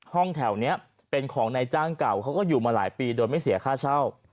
ห้องแถวนี้เป็นของนายจ้างเก่าเขาก็อยู่มาหลายปีโดยไม่เสียค่าเช่า